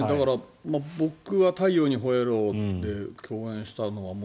僕は「太陽にほえろ！」で共演したのはもう